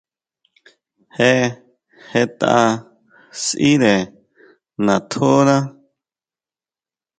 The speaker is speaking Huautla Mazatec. Je jetʼa sʼíre natjóná.